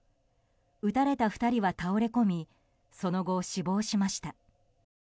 撃たれた２人は倒れ込みその後、死亡しました。